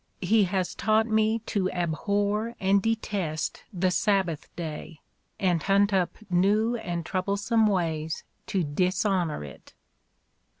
... He has taught me to abhor and detest the Sabbath day and hunt up new and trouble some ways to dishonor it."